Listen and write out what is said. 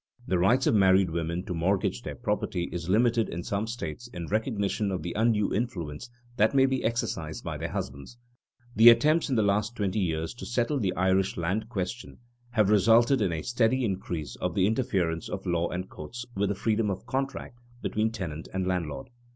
The rights of married women to mortgage their property is limited in some states in recognition of the undue influence that may be exercised by their husbands. The attempts in the last twenty years to settle the Irish land question have resulted in a steady increase of the interference of law and courts with the freedom of contract between tenant and landlord.